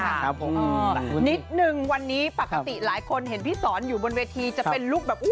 ครับผมนิดนึงวันนี้ปกติหลายคนเห็นพี่สอนอยู่บนเวทีจะเป็นลูกแบบ